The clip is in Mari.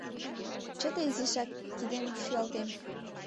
Чыте изишак, кидем шӱалтем.